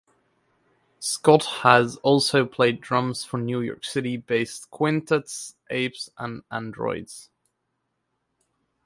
Scott has also played drums for New York City-based quintet Apes and Androids.